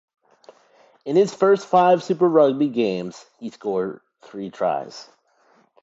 In his first five Super Rugby games he scored three tries.